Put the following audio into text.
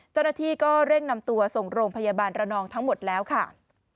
เจ้าหน้าที่ก็เร่งนำตัวส่งโรงพยาบาลระนองทั้งหมดแล้วค่ะ